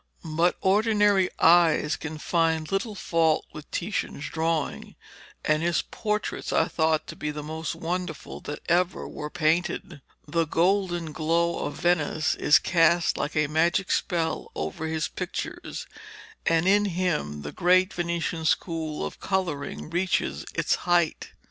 But ordinary eyes can find little fault with Titian's drawing, and his portraits are thought to be the most wonderful that ever were painted. The golden glow of Venice is cast like a magic spell over his pictures, and in him the great Venetian school of colouring reaches its height.